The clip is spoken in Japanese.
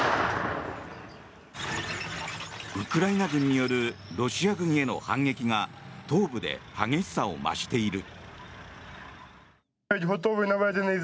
ウクライナ軍によるロシア軍への反撃が東部で激しさを増している。